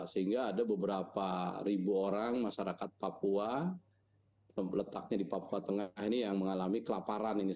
sehingga ada beberapa ribu orang masyarakat papua letaknya di papua tengah ini yang mengalami kelaparan ini